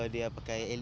dia pakai led